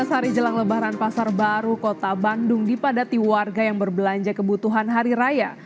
empat belas hari jelang lebaran pasar baru kota bandung dipadati warga yang berbelanja kebutuhan hari raya